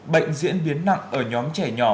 bệnh diễn biến nặng ở nhóm trẻ nhỏ